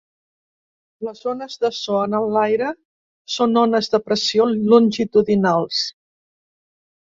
Les ones de so en l’aire són ones de pressió longitudinals.